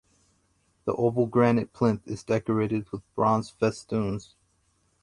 The oval granite plinth is decorated with bronze festoons.